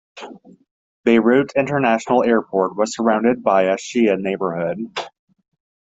Beirut International Airport was surrounded by a Shia neighborhood.